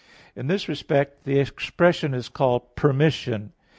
In this respect the expression is called permission.